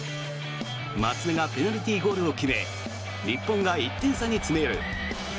松田がペナルティーゴールを決め日本が１点差に詰め寄る。